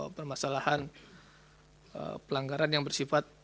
permasalahan pelanggaran yang bersifat